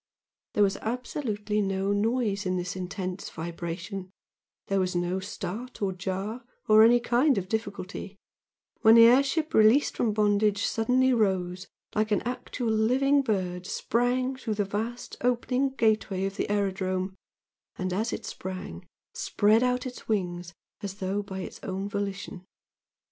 There was absolutely no noise in this intense vibration, and there was no start or jar, or any kind of difficulty, when the air ship, released from bondage, suddenly rose, and like an actual living bird sprang through the vast opening gateway of the aerodrome and as it sprang, spread out its wings as though by its own volition.